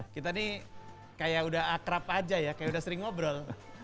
kita nih kayak udah akrab aja ya kayak udah sering ngobrol